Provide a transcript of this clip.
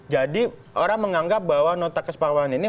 jadi orang menganggap bahwa nota kesepakaman ini